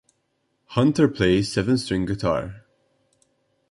Hunter plays seven-string guitar.